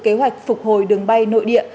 kế hoạch phục hồi đường bay nội địa